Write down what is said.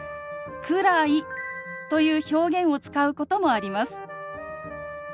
「くらい」という表現を使うこともあります。